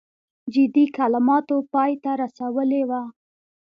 جدي کلماتو پای ته رسولی وو.